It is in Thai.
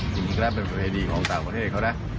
จริงแล้วเป็นประเพณีของต่างประเทศเขานะ